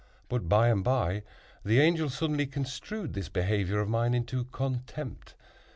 But, by and by, the Angel suddenly construed this behavior of mine into contempt.